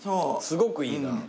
すごくいいな。